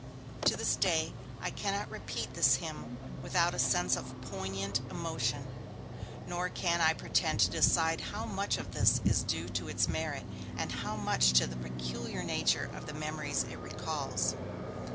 To this day, I cannot repeat this hymn without a sense of poignant emotion, nor can I pretend to decide how much of this is due to its merit and how much to the peculiar nature of the memories it recalls.